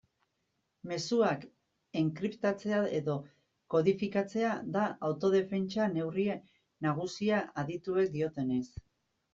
Mezuak enkriptatzea edo kodifikatzea da autodefentsa neurri nagusia adituek diotenez.